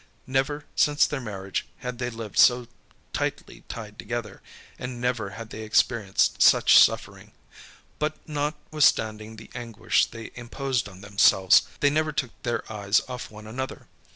Never, since their marriage, had they lived so tightly tied together, and never had they experienced such suffering. But, notwithstanding the anguish they imposed on themselves, they never took their eyes off one another.